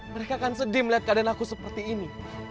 mereka akan sedih melihat keadaan aku seperti ini